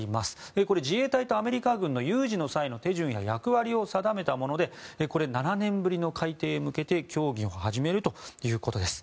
これ、自衛隊とアメリカ軍の有事の際の手順や役割を定めたもので７年ぶりの改定へ向けて協議を始めるということです。